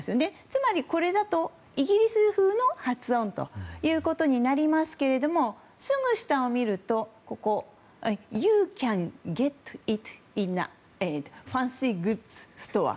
つまり、これだとイギリス風の発音ということになりますけどすぐ下を見るとユウキャンゲッティットインナファンスィグッヅストア。